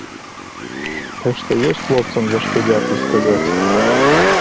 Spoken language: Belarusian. Так што ёсць хлопцам, за што дзякуй сказаць.